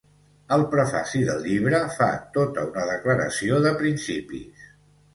Al prefaci del llibre fa tota una declaració de principis.